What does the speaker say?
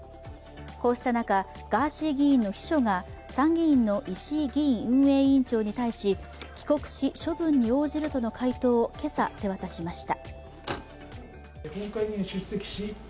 こうした中、ガーシー議員の秘書が参議院の石井議院運営委員長に対し、帰国し、処分に応じるとの回答を今朝、手渡しました。